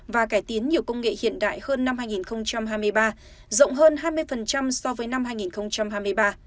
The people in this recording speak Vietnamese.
và cải tiến nhiều công nghệ hiện đại hơn năm hai nghìn hai mươi ba rộng hơn hai mươi so với năm hai nghìn hai mươi ba